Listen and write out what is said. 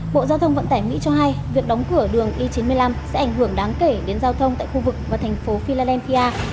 bộ giao thông vận tải mỹ cho hay việc đóng cửa đường i chín mươi năm sẽ ảnh hưởng đáng kể đến giao thông tại khu vực và thành phố philampia